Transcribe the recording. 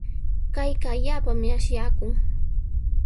Kayqa allaapami asyaakun.